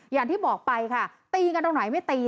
อย่างที่บอกไปครับตีกันแต่อย่างไรไม่ตี